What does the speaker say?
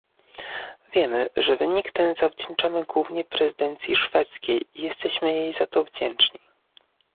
Wiemy, że wynik ten zawdzięczamy głównie prezydencji szwedzkiej i jesteśmy jej za to wdzięczni